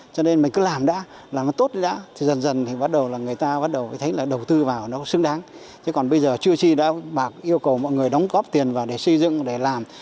chứ còn bây giờ chưa chi đã bạc yêu cầu mọi người đóng góp tiền vào để xây dựng để làm